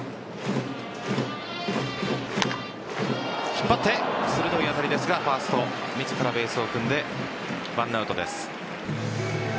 引っ張って鋭い当たりですがファースト自らベースを踏んで１アウトです。